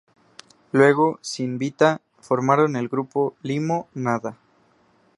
Luego, sin Vita, formaron el grupo "LimoNada".